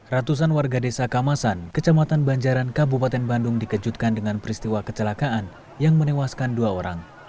ratusan warga desa kamasan kecamatan banjaran kabupaten bandung dikejutkan dengan peristiwa kecelakaan yang menewaskan dua orang